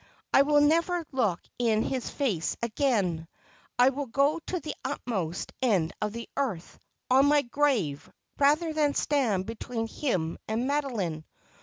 I will never look in his face again. I will go to the uttermost end of the earth, to my grave, rather than stand between him and Madoline.